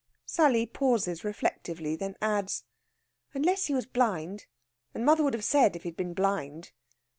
Sally pauses reflectively, then adds: "Unless he was blind. And mother would have said if he'd been blind."